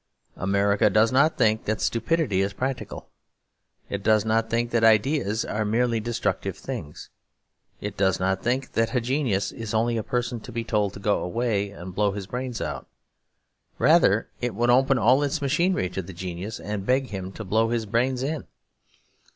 America does not think that stupidity is practical. It does not think that ideas are merely destructive things. It does not think that a genius is only a person to be told to go away and blow his brains out; rather it would open all its machinery to the genius and beg him to blow his brains in.